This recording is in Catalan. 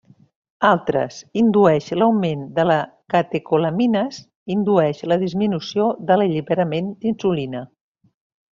Altres: indueix l'augment de les catecolamines; indueix la disminució de l'alliberament d'insulina.